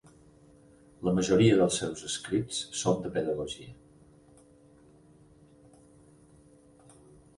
La majoria dels seus escrits son de pedagogia.